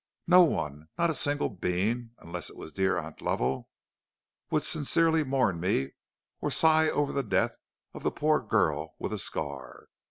No one, not a single being, unless it was dear Aunt Lovell, would sincerely mourn me or sigh over the death of the poor girl with a scar.